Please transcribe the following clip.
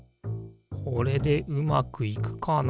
これでうまくいくかなあ？